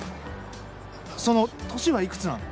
その年はいくつなの？